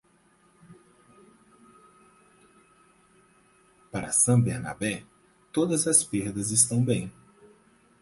Para San Bernabé, todas as perdas estão bem.